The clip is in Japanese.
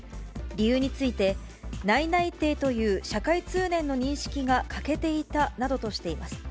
理由について、内々定という社会通念の認識が欠けていたなどとしています。